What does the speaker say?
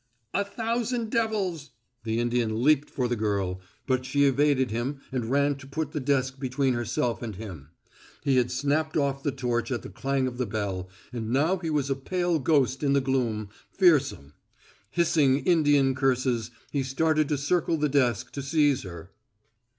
"A thousand devils!" The Indian leaped for the girl, but she evaded him and ran to put the desk between herself and him. He had snapped off the torch at the clang of the bell, and now he was a pale ghost in the gloom fearsome. Hissing Indian curses, he started to circle the desk to seize her.